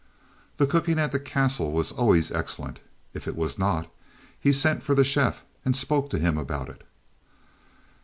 The cooking at the castle was always excellent. If it was not, he sent for the chef and spoke to him about it.